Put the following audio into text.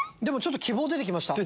希望出てきました。